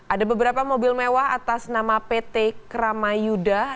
ada beberapa mobil mewah atas nama pt kramayuda